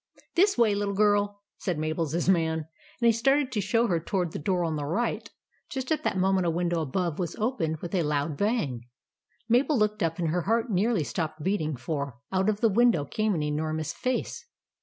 " This way, little girl," said Mabel's man, and he started to show her toward the door on the right. Just at that moment a window above was opened with a loud bang. Mabel looked up, and her heart nearly stopped beating, for out of the win dow came an enormous face.